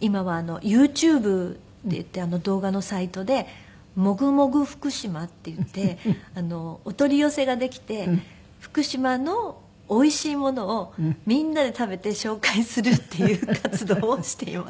今はＹｏｕＴｕｂｅっていって動画のサイトでもぐもぐ福島っていってお取り寄せができて福島のおいしいものをみんなで食べて紹介するっていう活動をしています。